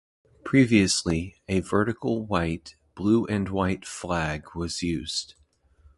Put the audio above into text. Previously, a vertical white, blue and white flag was used.